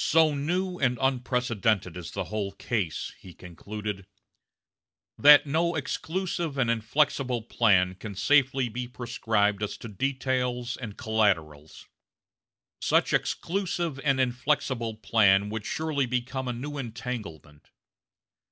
"So new and unprecedented is the whole case," he concluded, "that no exclusive and inflexible plan can safely be prescribed as to details and collaterals. Such exclusive and inflexible plan would surely become a new entanglement.